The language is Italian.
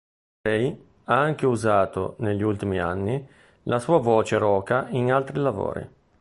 Bray ha anche usato, negli ultimi anni, la sua voce roca in altri lavori.